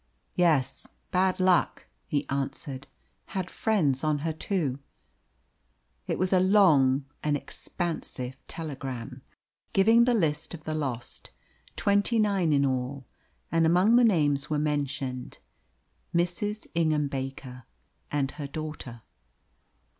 "Yes, bad luck," he answered. "Had friends on her, too." It was a long and expansive telegram, giving the list of the lost, twenty nine in all, and among the names were mentioned Mrs. Ingham Baker and her daughter.